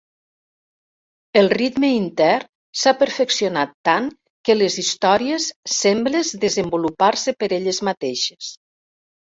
El ritme intern s'ha perfeccionat tant que les històries sembles desenvolupar-se per elles mateixes.